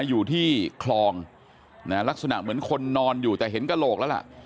อยู่ที่คลองลักษณะเหมือนคนนอนอยู่แต่เห็นกระโหลกแล้วล่ะ